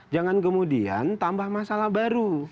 jangan kemudian tambah masalah baru